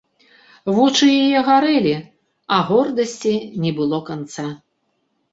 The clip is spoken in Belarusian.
Вочы яе гарэлі, а гордасці не было канца.